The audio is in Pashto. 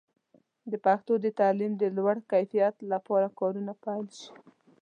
د پښتو د تعلیم د لوړ کیفیت لپاره کارونه پیل شي.